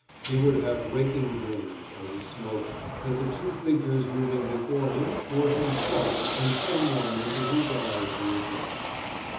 He would have waking dreams, as he smoked, that the two figures moving before him were himself and some one into whose eyes he was looking.